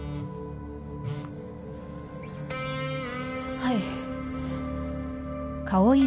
はい。